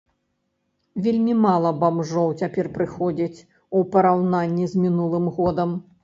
Вельмі мала бамжоў цяпер прыходзіць, ў параўнанні з мінулым годам.